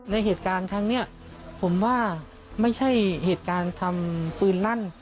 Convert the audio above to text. ในเหตุการณ์ครั้งนี้ผมว่าไม่ใช่เหตุการณ์ทำปืนลั่น